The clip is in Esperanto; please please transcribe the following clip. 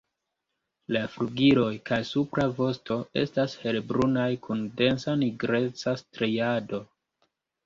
La flugiloj kaj supra vosto estas helbrunaj kun densa nigreca striado.